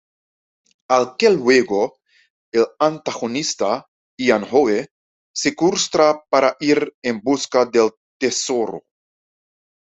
Al que luego, el antagonista, Ian Howe, secuestra para ir en busca del tesoro.